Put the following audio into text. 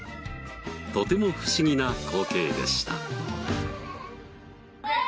とても不思議な光景でした。